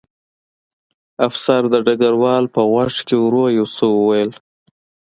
افسر د ډګروال په غوږ کې ورو یو څه وویل